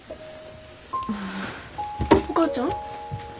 お母ちゃん？